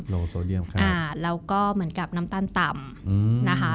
แล้วก็เหมือนกับน้ำตาลต่ำ